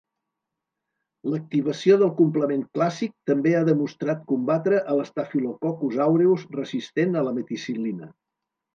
L'activació del complement clàssic també ha demostrat combatre el "Staphylococcus aureus" resistent a la meticil·lina.